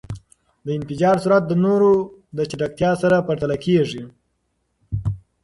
د انفجار سرعت د نور د چټکتیا سره پرتله کېږی.